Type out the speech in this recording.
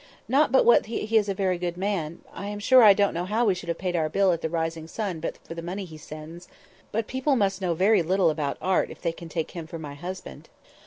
Not but what he is a very good man; I am sure I don't know how we should have paid our bill at the 'Rising Sun' but for the money he sends; but people must know very little about art if they can take him for my husband.